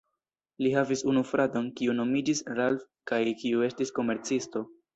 Li havis unu fraton, kiu nomiĝis Ralph kaj kiu estis komercisto.